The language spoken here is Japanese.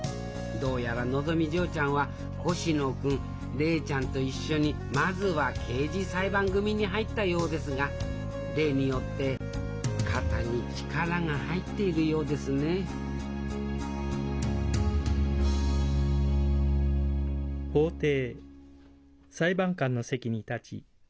どうやらのぞみ嬢ちゃんは星野君怜ちゃんと一緒にまずは刑事裁判組に入ったようですが例によって肩に力が入っているようですね広いな。